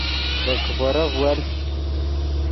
ڤے کیپورف ول